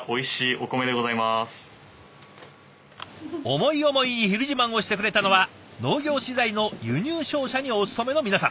思い思いに「ひる自慢」をしてくれたのは農業資材の輸入商社にお勤めの皆さん。